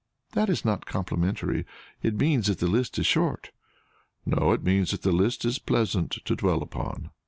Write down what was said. "That is not complimentary; it means that the list is short." "No; it means that the list is pleasant to dwell upon."